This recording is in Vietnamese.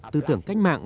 tư tưởng cách mạng